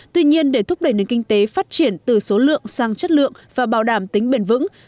tuy nhiên để thúc đẩy nền kinh tế phát triển từ số lượng sang chất lượng và bảo đảm tính bền vững